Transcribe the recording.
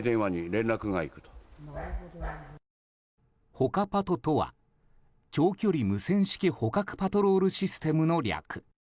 ほかパトとは、長距離無線式捕獲パトロールシステムの略。